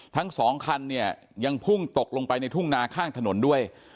ทั้งสองคันเนี่ยยังพุ่งตกลงไปในทุ่งนาข้างถนนด้วย